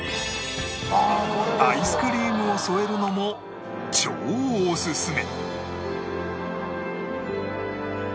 アイスクリームを添えるのも超おすすめ！